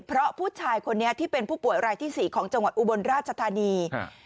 เพราะผู้ชายคนนี้ที่เป็นผู้ป่วยรายที่สี่ของจังหวัดอุบลราชธานี